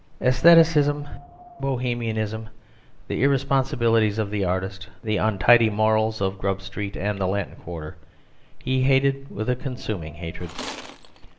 Æstheticism, Bohemianism, the irresponsibilities of the artist, the untidy morals of Grub Street and the Latin Quarter, he hated with a consuming hatred.